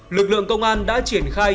lực lượng công an đã triển khai